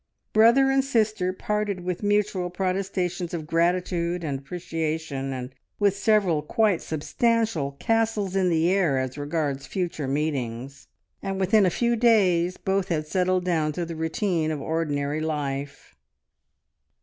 Brother and sister parted with mutual protestations of gratitude and appreciation, and with several quite substantial castles in the air as regards future meetings, and within a few days both had settled down to the routine of ordinary life.